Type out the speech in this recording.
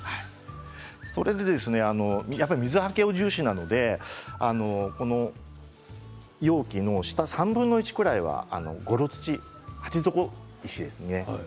それでやっぱり水はけが重視なので容器の３分の１ぐらいは鉢底石です。